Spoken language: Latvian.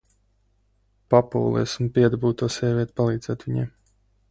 Papūlies, un piedabū to sievieti palīdzēt viņiem!